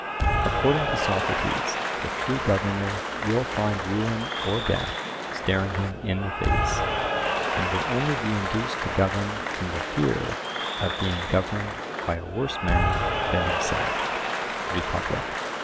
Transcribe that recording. According to Socrates the true governor will find ruin or death staring him in the face, and will only be induced to govern from the fear of being governed by a worse man than himself (Republic).